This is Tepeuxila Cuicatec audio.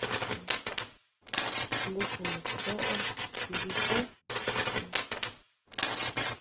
Nuku nut toʼo jidijü.